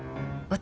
私？